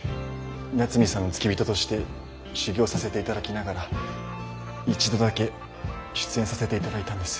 八海さんの付き人として修業させて頂きながら一度だけ出演させて頂いたんです。